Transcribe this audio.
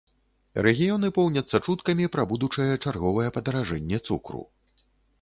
Рэгіёны поўняцца чуткамі пра будучае чарговае падаражэнне цукру.